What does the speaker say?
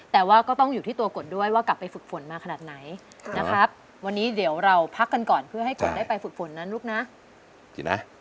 แต่ว่าก็ต้องอยู่ที่ตัวกฎด้วยว่ากลับไปฝึกฝนมาขนาดไหนนะครับวันนี้เดี๋ยวเราพักกันก่อนเพื่อให้กดได้ไปฝึกฝนนะลูกนะ